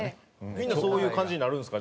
みんなそういう感じになるんですか？